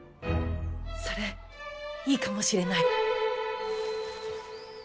それいいかもしれない。